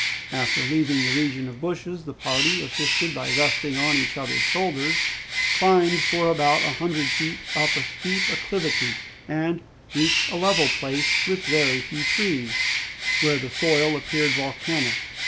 After leaving the region of bushes, the party, assisted by resting on each other's shoulders, climbed for about a hundred feet up a steep acclivity and reached a level place, with very few trees, where the soil appeared volcanic.